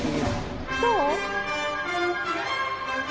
どう？